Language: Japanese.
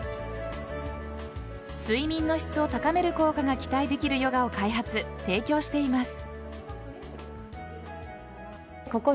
睡眠の質を高める効果が期待できるヨガを開発、提供しています。